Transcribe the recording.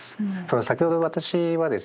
先ほど私はですね